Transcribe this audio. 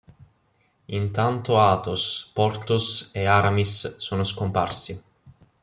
Intanto Athos, Porthos e Aramis sono scomparsi.